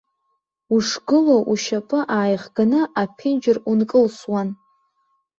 Ушгылоу ушьапы ааихганы аԥенџьыр ункылсуан.